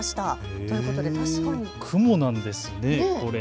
ということで、確かに雲なんですね、これ。